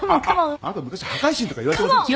あなた昔破壊神とか言われてませんでした？